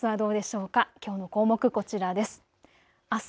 きょうの項目こちらです。